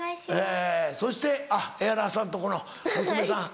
そしてあっエハラさんとこの娘さん。